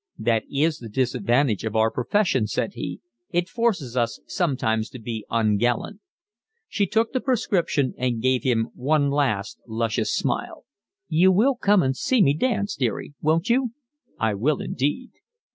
"That is the disadvantage of our profession," said he. "It forces us sometimes to be ungallant." She took the prescription and gave him one last, luscious smile. "You will come and see me dance, dearie, won't you?" "I will indeed."